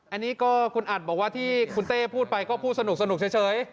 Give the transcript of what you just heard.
อันนี้ก็คุณอัดบอกว่าที่คุณเต้พูดไปก็พูดสนุกเฉย